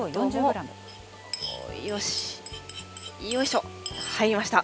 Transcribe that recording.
よいしょ、入りました。